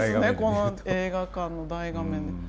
この映画館の大画面で。